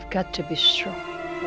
aku harus kuat